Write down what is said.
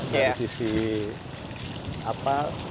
dari sisi apa